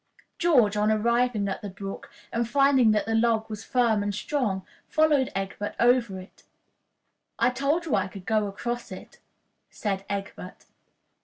George, on arriving at the brook, and finding that the log was firm and strong, followed Egbert over it. "I told you I could go across it," said Egbert.